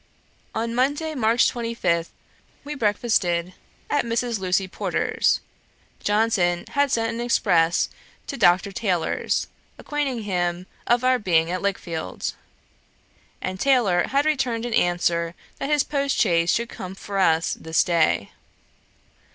' On Monday, March 25, we breakfasted at Mrs. Lucy Porter's. Johnson had sent an express to Dr. Taylor's, acquainting him of our being at Lichfield, and Taylor had returned an answer that his postchaise should come for us this day.